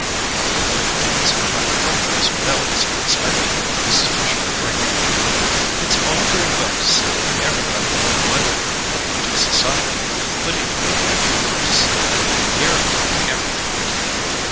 "But things are not going as well as I expected," Mrs. Fisher frankly admitted. "It's all very well to say that every body with money can get into society; but it would be truer to say that NEARLY everybody can.